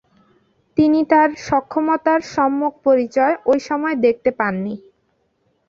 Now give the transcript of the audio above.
তিনি তার সক্ষমতার সম্যক পরিচয় ঐ সময়ে দেখতে পাননি।